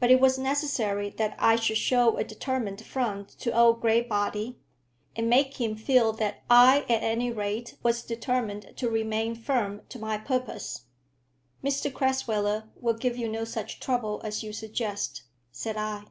But it was necessary that I should show a determined front to old Graybody, and make him feel that I at any rate was determined to remain firm to my purpose. "Mr Crasweller will give you no such trouble as you suggest," said I.